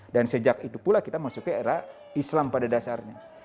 dan sejak itu pula kita masuk ke era islam pada dasarnya